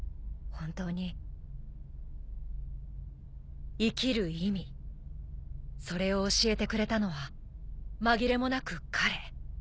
本当に生きる意味それを教えてくれたのは紛れもなく彼。